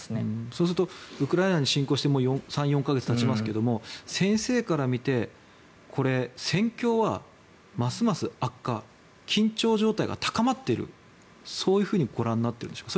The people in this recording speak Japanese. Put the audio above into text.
そうするとウクライナに侵攻してもう３４か月たちますけども先生から見て戦況はますます悪化緊張状態が高まっているそういうふうにご覧になっているんですか。